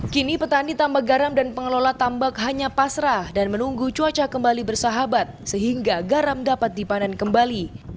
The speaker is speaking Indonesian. kini petani tambak garam dan pengelola tambak hanya pasrah dan menunggu cuaca kembali bersahabat sehingga garam dapat dipanen kembali